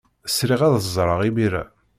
Sriɣ ad ẓreɣ imir-a.